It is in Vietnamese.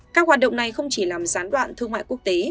các hoạt động này không chỉ làm gián đoạn thương mại quốc tế